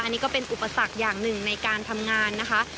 อันนี้ก็เป็นอุปสรรคอย่างหนึ่งในการทำงานนะคะ